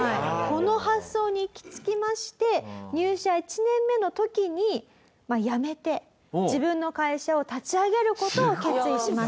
この発想に行き着きまして入社１年目の時に辞めて自分の会社を立ち上げる事を決意しました。